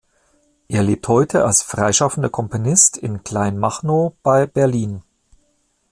Er lebt heute als freischaffender Komponist in Kleinmachnow bei Berlin.